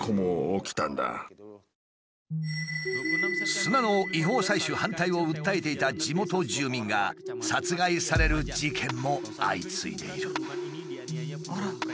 砂の違法採取反対を訴えていた地元住民が殺害される事件も相次いでいる。